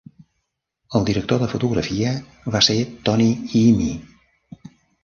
El director de fotografia va ser Tony Imi.